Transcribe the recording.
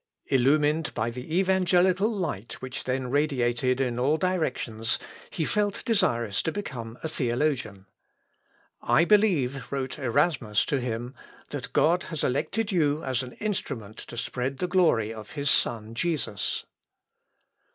Illumined by the evangelical light which then radiated in all directions, he felt desirous to become a theologian. "I believe," wrote Erasmus to him, "that God has elected you as an instrument to spread the glory of his Son Jesus."